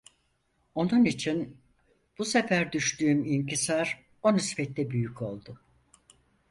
Onun için, bu sefer düştüğüm inkisar o nispette büyük oldu.